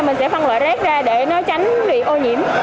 mình sẽ phân loại rác ra để nó tránh bị ô nhiễm